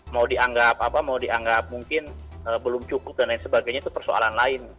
mau dianggap apa mau dianggap mungkin belum cukup dan lain sebagainya itu persoalan lain